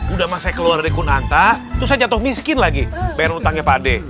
udah masa keluar dari kunanta terus saya jatuh miskin lagi bayar utangnya pak ade